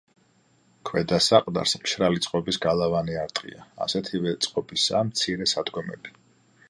ქვედა საყდარს მშრალი წყობის გალავანი არტყია, ასეთივე წყობისაა მცირე სადგომები.